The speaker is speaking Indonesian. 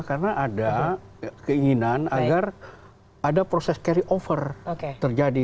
karena ada keinginan agar ada proses carry over terjadi